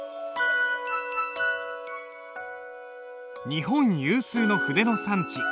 日本有数の筆の産地